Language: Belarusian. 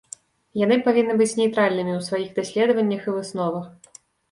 Яны павінны быць нейтральнымі ў сваіх даследаваннях і высновах.